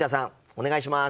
お願いします。